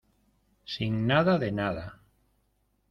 sin nada de nada.